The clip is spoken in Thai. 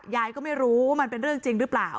ยายก็ไม่รู้ว่ามันเป็นเรื่องจริงหรือเปล่า